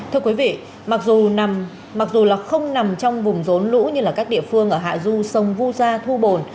thưa quý vị mặc dù mặc dù là không nằm trong vùng rốn lũ như các địa phương ở hạ du sông vu gia thu bồn